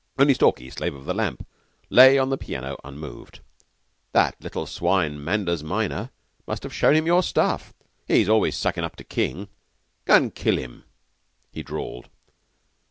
Only Stalky, Slave of the Lamp, lay on the piano unmoved. "That little swine Manders minor must have shown him your stuff. He's always suckin' up to King. Go and kill him," he drawled.